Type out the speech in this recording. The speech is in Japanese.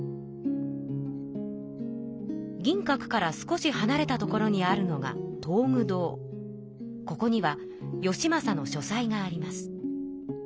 銀閣から少しはなれた所にあるのがここには義政の書さいがあります。